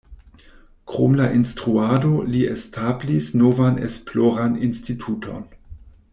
Krom la instruado, li establis novan esploran instituton.